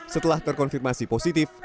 setelah terkonfirmasi positif